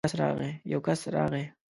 يو کس راغی.